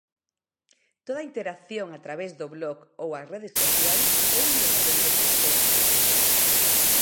Toda interacción a través do blog ou as redes sociais é un verdadeiro pracer.